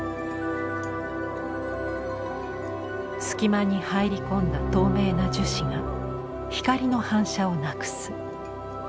すき間に入り込んだ透明な樹脂が光の反射をなくす。